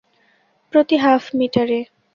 প্রতি হাফ মিটারে।